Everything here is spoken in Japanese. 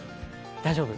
大丈夫？